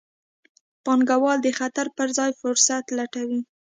پانګوال د خطر پر ځای فرصت لټوي.